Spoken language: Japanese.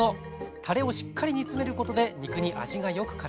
たれをしっかり煮詰めることで肉に味がよくからみます。